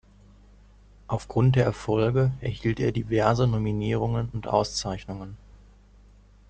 Aufgrund der Erfolge erhielt er diverse Nominierungen und Auszeichnungen.